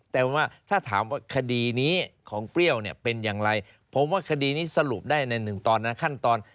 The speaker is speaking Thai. แต่ว่าถ้าถามว่าคดีนี้ของเปรี้ยวเนี่ยเป็นอย่างไรผมว่าคดีนี้สรุปได้ในหนึ่งตอนนะขั้นตอน